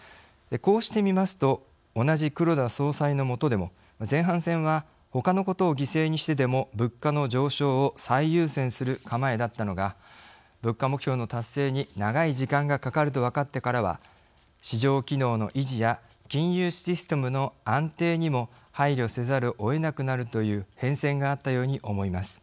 こうしてみますと同じ黒田総裁のもとでも前半戦はほかのことを犠牲にしてでも物価の上昇を最優先する構えだったのが物価目標の達成に長い時間がかかると分かってからは市場機能の維持や金融システムの安定にも配慮せざるをえなくなるという変遷があったように思います。